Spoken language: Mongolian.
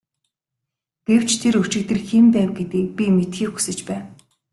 Гэвч тэр өчигдөр хэн байв гэдгийг би мэдэхийг хүсэж байна.